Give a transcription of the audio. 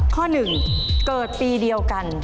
ข้อหนึ่งเกิดปีเดียวกัน